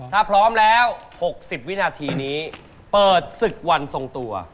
ถ้าพร้อมแล้ว๖๐วินาทีนี้เปิดศึกวันทรงตัว